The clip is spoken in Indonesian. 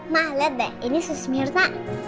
mah lihat deh ini sus mirna